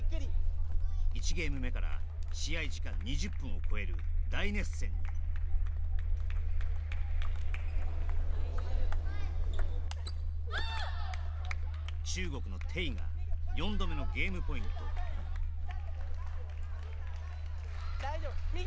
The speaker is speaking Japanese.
１ゲーム目から試合時間２０分を超える大熱戦に中国の丁が４度目のゲームポイント大丈夫